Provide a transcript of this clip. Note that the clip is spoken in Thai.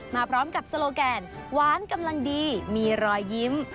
มาพร้อมกับโซโลแกนหวานกำลังดีมีรอยยิ้ม